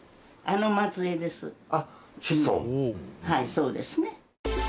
はいそうですね。